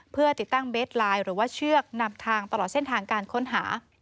เพื่อติดตั้งเบสไลน์หรือว่าเชือกนำทางตลอดเส้นทางการค้นหา